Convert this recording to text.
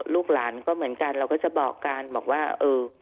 ลูกหลานก็เหมือนกันเราก็จะบอกกันบอกว่าเออ